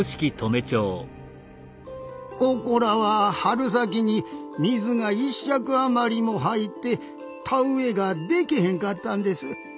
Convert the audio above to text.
ここらは春先に水が１尺余りも入って田植えがでけへんかったんです。